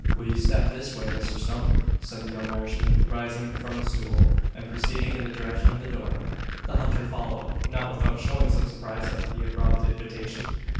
"Will you step this way, Mr Stump?" said the young Irishman, rising from his stool, and proceeding in the direction of the door. The hunter followed, not without showing some surprise at the abrupt invitation.